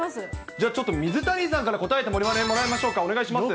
じゃあちょっと、水谷さんから答えてもらいましょうか、お願いします。